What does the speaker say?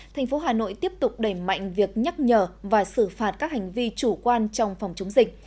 thành phố hà nội tiếp tục đẩy mạnh việc nhắc nhở và xử phạt các hành vi chủ quan trong phòng chống dịch